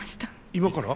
今から？